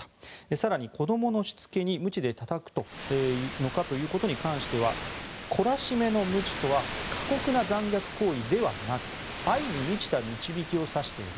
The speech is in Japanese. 更に、子どものしつけにむちでたたくのかということに関しては懲らしめのむちとは過酷な残虐行為ではなく愛に満ちた導きを指している。